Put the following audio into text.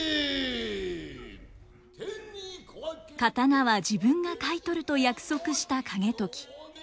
刀は自分が買い取ると約束した景時。